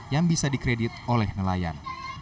yang bisa dikredit oleh nelayan